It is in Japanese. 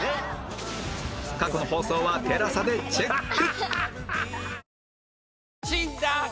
過去の放送は ＴＥＬＡＳＡ でチェック！